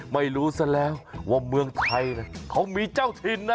ไม่รู้ซะแล้วว่าเมืองไทยเขามีเจ้าถิ่นนะ